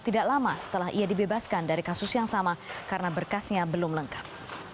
tidak lama setelah ia dibebaskan dari kasus yang sama karena berkasnya belum lengkap